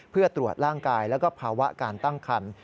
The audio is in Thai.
เพื่อตรวจร่างกายและภาวะการตั้งครรภ์